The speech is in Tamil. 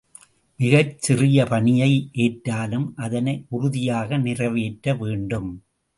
மிகச் சிறிய பணியை ஏற்றாலும் அதனை உறுதியாக நிறைவேற்ற வேண்டும்.